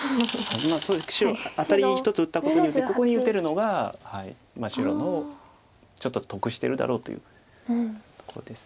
１つ打ったことによってここに打てるのが白のちょっと得してるだろうというとこです。